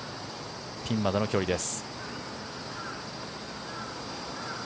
ピンまでの距離です。